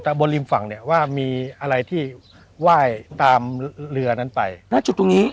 แต่บนริมฝั่งเนี่ยว่ามีอะไรที่ไหว้ตามเรือนั้นไปณจุดตรงนี้